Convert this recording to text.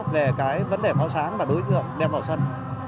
về vấn đề pháo sáng và đối tượng đem vào sân